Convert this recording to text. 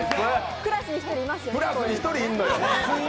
クラスに１人いんのよ。